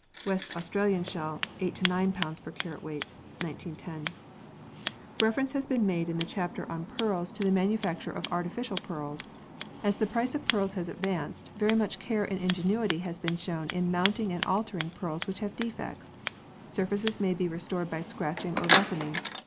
West Australian shell, 8 9 per cwt. (1910). Reference has been made in the chapter on ix] PEARLS IN JEWELLERY, ETC. 119 pearls to the manufacture of artificial pearls. As the price of pearls has advanced, very much care and ingenuity has been shown in mounting and altering pearls which have defects. Surfaces may be restored by scratching or roughening.